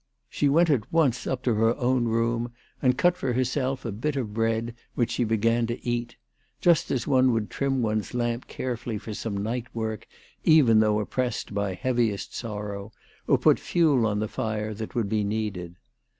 She went at once up to her own room and cut for herself a bit of bread which she began to eat, just as one would trim one's lamp care fully for some night work, even though oppressed by heaviest sorrow, or put fuel on the fire that would be needed.